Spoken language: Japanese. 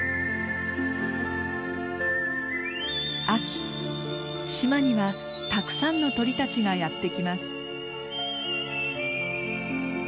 秋島にはたくさんの鳥たちがやって来ます。